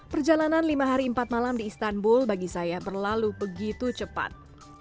perjalanan lima hari empat malam di istanbul bagi saya terlalu begitu cepat